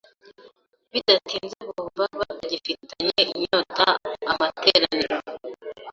Bidatinze bumva batagifitiye inyota amateraniro,